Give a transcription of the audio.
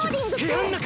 部屋ん中！